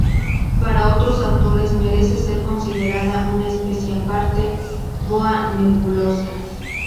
Para otros autores, merece ser considerada una especie aparte: "Boa nebulosa".